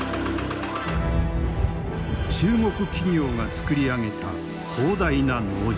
中国企業が作り上げた広大な農場。